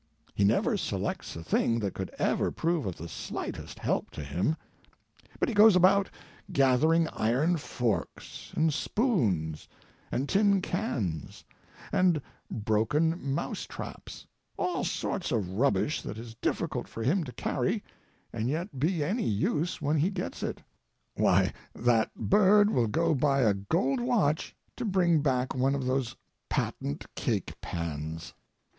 He never selects a thing that could ever prove of the slightest help to him; but he goes about gathering iron forks, and spoons, and tin cans, and broken mouse traps—all sorts of rubbish that is difficult for him to carry and yet be any use when he gets it. Why, that bird will go by a gold watch to bring back one of those patent cake pans.